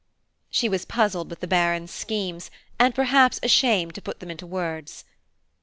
" she was puzzled with the Baron's schemes, and perhaps ashamed to put them into words.